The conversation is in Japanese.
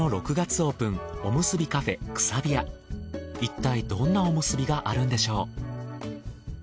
いったいどんなおむすびがあるんでしょう？